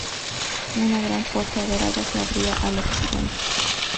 Una Gran Puerta Dorada se abría al Occidente.